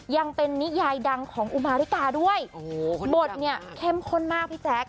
ยังเป็นนิยายดังของอุมาริกาด้วยโอ้โหบทเนี่ยเข้มข้นมากพี่แจ๊ค